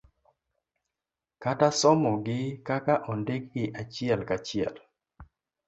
kata somogi kaka ondikgi achiel kachiel